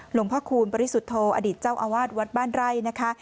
หลวงพ่อคูณปริสุทธโธอดีตเจ้าอาวาสวัดบ้านไร่นะคะ